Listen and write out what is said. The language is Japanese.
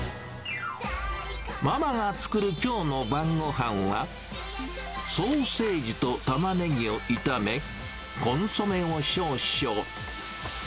ママが作るきょうの晩ごはんは、ソーセージとタマネギを炒め、コンソメを少々。